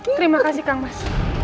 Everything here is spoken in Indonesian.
terima kasih kang mas